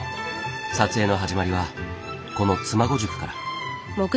撮影の始まりはこの妻籠宿から。